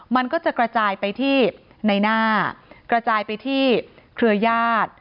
มันก็จะกระจายไปที่ในหน้ากระจายไปที่เครือญาติ